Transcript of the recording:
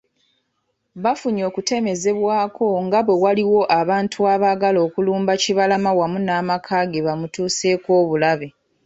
Bafunye okutemezebwako nga bwe waliwo abantu abaagala okulumba Kibalama wamu n'amakaage bamutuuseeko obulabe.